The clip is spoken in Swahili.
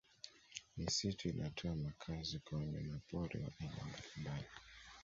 Misitu inatoa makazi kwa wanyamapori wa aina mbalimbali